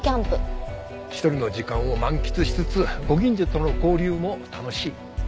１人の時間を満喫しつつご近所との交流も楽しい。